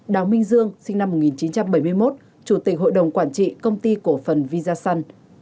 đào minh dương sinh năm một nghìn chín trăm bảy mươi một chủ tịch hội đồng quản trị công ty cổ phần visan